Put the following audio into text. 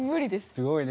すごいね。